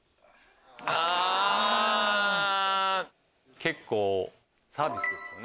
結構サービスですよね。